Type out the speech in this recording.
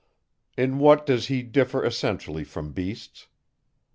In what does he differ essentially from beasts?